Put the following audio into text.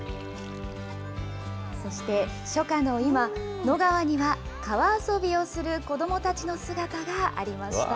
そして、初夏の今、野川には川遊びをする子どもたちの姿がありました。